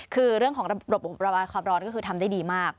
คือเรื่องของระบบระบายความร้อนก็คือทำได้ดีมาก